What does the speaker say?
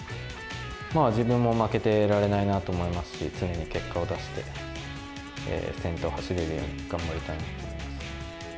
自分も負けてられないなと思いますし、常に結果を出して、先頭を走れるように頑張りたいと思います。